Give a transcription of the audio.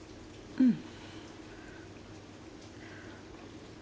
うん？